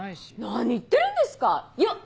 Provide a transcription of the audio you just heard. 何言ってるんですかよっ！